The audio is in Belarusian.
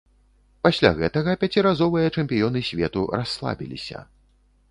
Пасля гэтага пяціразовыя чэмпіёны свету расслабіліся.